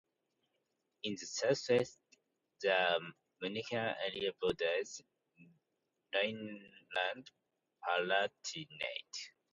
In the southwest the municipal area borders Rhineland-Palatinate.